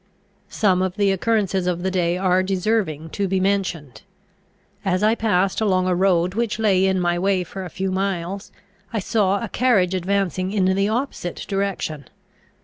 Some of the occurrences of the day are deserving to be mentioned. As I passed along a road which lay in my way for a few miles, I saw a carriage advancing in the opposite direction.